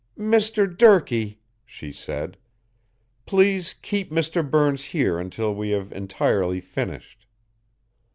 "Mr. Durkee," she said, "please keep Mr. Burns here until we have entirely finished."